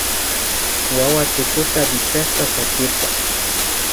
Wawa tukuta wichkashpa sakirka